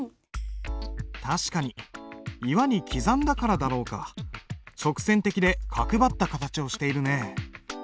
確かに岩に刻んだからだろうか直線的で角張った形をしているねえ。